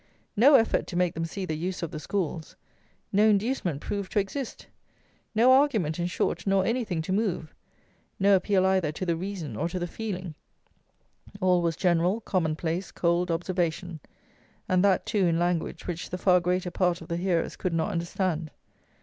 No effort to make them see the use of the schools. No inducement proved to exist. No argument, in short, nor anything to move. No appeal either to the reason, or to the feeling. All was general, common place, cold observation; and that, too, in language which the far greater part of the hearers could not understand.